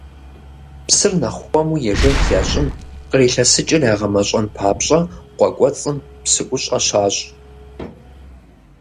Псыр нэхъ хуэму ежэх ящӀын, кърилъэсыкӀыр ягъэмэщӀэн папщӀэ къуэ кӀуэцӀым псыӀущӀэ щащӀ.